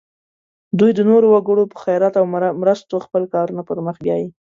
دوی د نورو وګړو په خیرات او مرستو خپل کارونه پر مخ بیایي.